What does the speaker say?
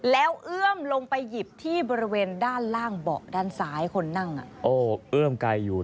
แล้วเอื้อมลงไปหยิบที่บริเวณด้านล่างเบาะด้านซ้ายคนนั่งเอื้อมไกลอยู่